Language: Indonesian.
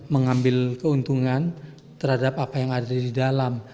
mengambil keuntungan terhadap apa yang ada di dalam